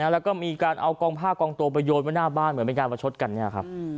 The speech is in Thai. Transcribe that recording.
แล้วก็มีการเอากองผ้ากองตัวไปโยนไว้หน้าบ้านเหมือนเป็นการประชดกันเนี่ยครับ